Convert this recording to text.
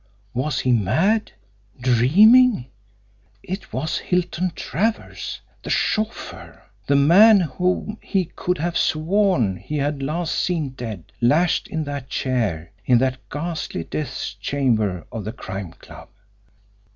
Was he mad dreaming? It was Hilton Travers, THE CHAUFFEUR the man whom he could have sworn he had last seen dead, lashed in that chair, in that ghastly death chamber of the Crime Club!